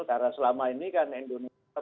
karena selama ini kan indonesia